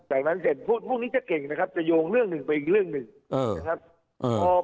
จากนั้นเสร็จพวกนี้จะเก่งนะครับจะโยงเรื่องหนึ่งไปอีกเรื่องหนึ่งนะครับ